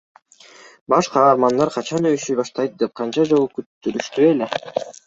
Баш каармандар качан өбүшө баштайт деп канча жолу күттүрүштү эле?